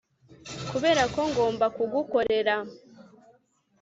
Kubera ko ngomba kugukorera